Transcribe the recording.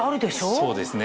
そうですね。